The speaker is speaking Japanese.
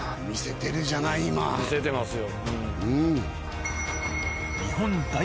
見せてますよ。